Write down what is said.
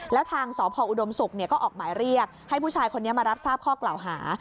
แล้วทางสพอุดมศุกร์ก็ออกหมายเรียกให้ผู้ชายคนนี้มารับทราบข้อกล่าวหา